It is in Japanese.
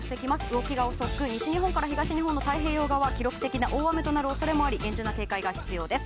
動きが遅く、西日本から東日本の太平洋側記録的な大雨となる恐れもあり厳重な警戒が必要です。